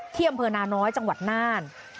ที่อำเบอร์นานน้อยจังหวัดน่าน